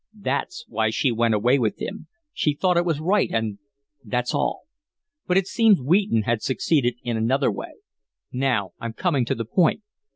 That's why she went away with him She thought it was right, and that's all. But it seems Wheaton had succeeded in another way. Now, I'm coming to the point.